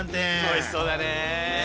おいしそうだね。